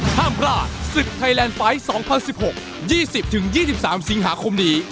ห้ามพลาดสิบไทยแลนด์ไฟต์สองพันสิบหกยี่สิบถึงยี่สิบสามสิงหาคมนี้